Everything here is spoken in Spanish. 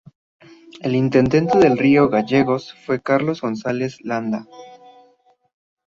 El intendente de Río Gallegos fue Carlos González Landa.